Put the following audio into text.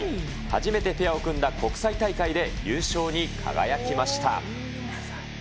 初めてペアを組んだ国際大会で優勝に輝きました。